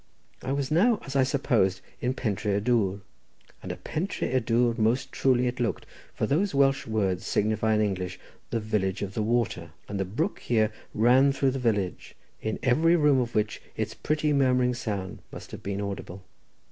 I was now, as I supposed, in Pentré y Dwr, and a pentré y dwr most truly it looked, for those Welsh words signify in English the village of the water, and the brook here ran through the village, in every room of which its pretty murmuring sound must have been audible.